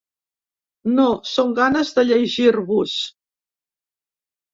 No, són ganes de llegir-vos.